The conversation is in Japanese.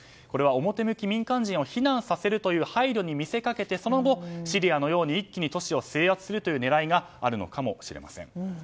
これは表向き民間人を避難させるという配慮に見せかけてその後シリアのように一気に都市を制圧するという狙いがあるのかもしれません。